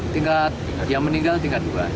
tingkat yang meninggal tingkat dua